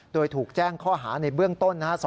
โดยถูกแจ้งข้อหาในเบื้องต้นนะครับ